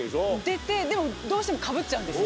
出てでもどうしてもかぶっちゃうんですね。